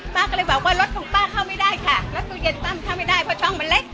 ป้าก็เลยบอกว่ารถของป้าเข้าไม่ได้ค่ะรถตู้เย็นตั้มเข้าไม่ได้เพราะช่องมันเล็ก